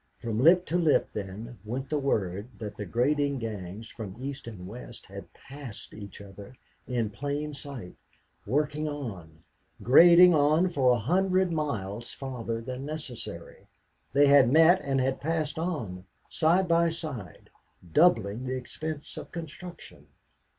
From lip to lip then went the word that the grading gangs from east and west had passed each other in plain sight, working on, grading on for a hundred miles farther than necessary. They had met and had passed on, side by side, doubling the expense of construction.